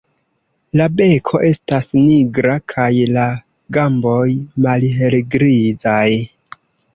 La beko estas nigra kaj la gamboj malhelgrizaj.